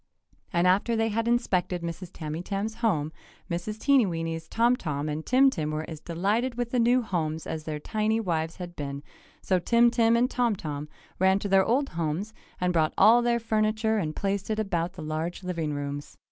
And after they had inspected Mrs. Tamytam's home, Mrs. Teenyweeny's Tom Tom and Tim Tim were as delighted with the new homes as their tiny wives had been, so Tim Tim and Tom Tom ran to their old homes and brought all their furniture and placed it about the large living rooms.